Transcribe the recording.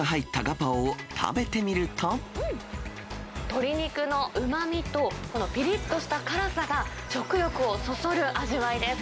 鶏肉のうまみとこのぴりっとした辛さが食欲をそそる味わいです。